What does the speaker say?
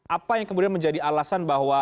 apa yang kemudian menjadi alasan bahwa